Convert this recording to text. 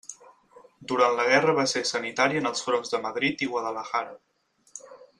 Durant la guerra va ser sanitari en els fronts de Madrid i Guadalajara.